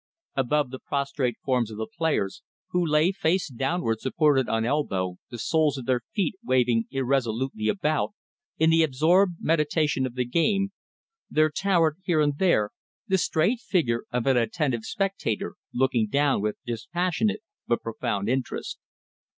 Above the prostrate forms of the players, who lay face downward supported on elbow, the soles of their feet waving irresolutely about, in the absorbed meditation of the game, there towered here and there the straight figure of an attentive spectator looking down with dispassionate but profound interest.